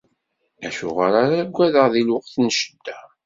Acuɣer ara aggadeɣ di lweqt n ccedda.